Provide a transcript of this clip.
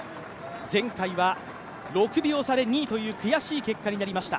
前回は６秒差で２位という悔しい結果になりました。